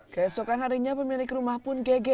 keesokan harinya pemilik rumah pun geger